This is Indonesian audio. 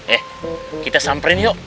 eh kita samperin yuk